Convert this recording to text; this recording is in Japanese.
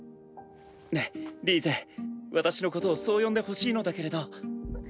ねえリーゼ私のことをそう呼んでほしいのだけれど。